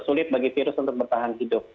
sulit bagi virus untuk bertahan hidup